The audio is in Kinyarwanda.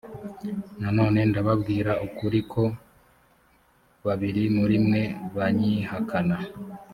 nanone ndababwira ukuri ko babiri muri mwe banyihakana